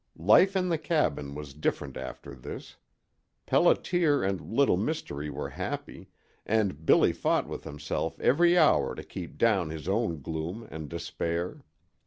Life in the cabin was different after this. Pelliter and Little Mystery were happy, and Billy fought with himself every hour to keep down his own gloom and despair.